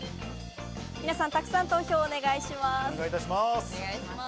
皆さん、たくさん投票をお願いします。